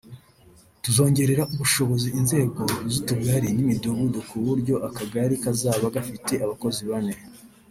“Tuzongerera ubushobozi inzego z’utugari n’imidugudu kuburyo akagari kazaba gafite abakozi bane